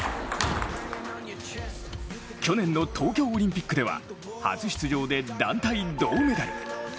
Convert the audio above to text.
去年の東京オリンピックでは初出場で団体銅メダル。